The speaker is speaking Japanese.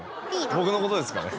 僕のことですかね？